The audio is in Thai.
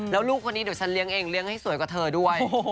แล้วลูกคนนี้เดี๋ยวฉันเลี้ยงเองเลี้ยงให้สวยกว่าเธอด้วย